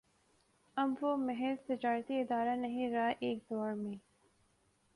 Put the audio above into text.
اب وہ محض تجارتی ادارہ نہیں رہا ایک دور میں